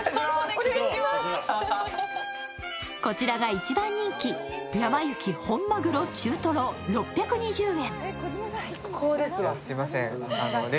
こちらが一番人気、やま幸本まぐろ中とろ６２０円。